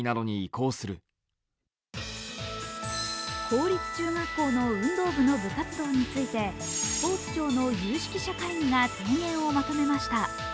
公立中学校の運動部の部活動についてスポーツ庁の有識者会議が提言をまとめました。